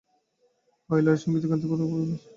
অয়লারের সঙ্গীতে গাণিতিক ধারণার ব্যবহারের খেয়ালী শখ ছিল।